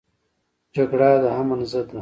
جګړه د امن ضد ده